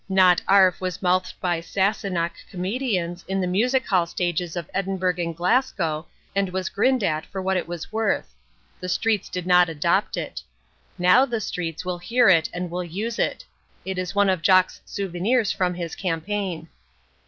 "Not 'arf" was mouthed by Sassenach comedians on the music hall stages of Edinburgh and Glasgow, and was grinned at for what it was worth: the streets did not adopt it. Now the streets will hear it and will use it: it is one of Jock's souvenirs from his campaign.